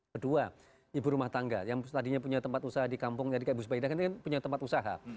kedua ibu rumah tangga yang tadinya punya tempat usaha di kampung tadi kayak ibu sbaidah kan punya tempat usaha